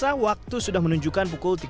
tak terasa waktu sudah menunjukkan keberadaan